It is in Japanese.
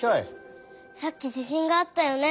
さっき地しんがあったよね？